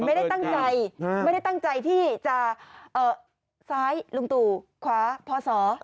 ไม่ได้ตั้งใจที่จะซ้ายลงตู่ขวาพ่อสอ